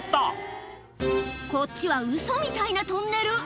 こっちはウソみたいなトンネル。